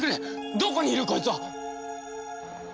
どこにいる！？こいつは。